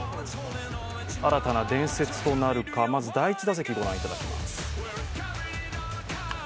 新たな伝説となるかまず第１打席ご覧いただきます。